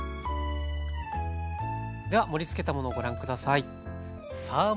では盛りつけたものをご覧下さい。